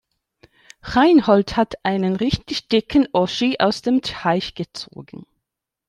Reinhold hat einen richtig dicken Oschi aus dem Teich gezogen.